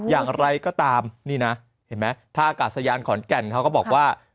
อย่างไรก็ตามนี่นะเห็นไหมท่าอากาศยานขอนแก่นเขาก็บอกว่า